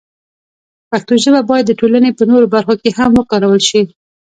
پښتو ژبه باید د ټولنې په نورو برخو کې هم وکارول شي.